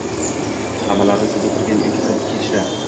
Hammalari siz oʻtiradigan uyga kirib ketishdi.